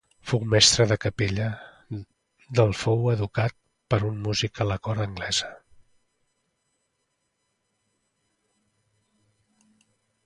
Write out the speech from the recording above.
Fou mestre de capella del fou educat per un músic de la cort anglesa.